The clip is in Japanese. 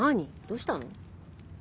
どうしたの？